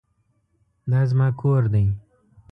دا زما کور دی